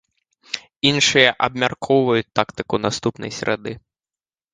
Іншыя абмяркоўваюць тактыку наступнай серады.